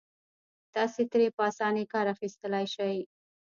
تاسې ترې په اسانۍ کار اخيستلای شئ.